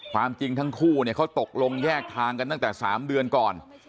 ความจริงทั้งคู่เนี่ยเขาตกลงแยกทางกันตั้งแต่๓เดือนก่อน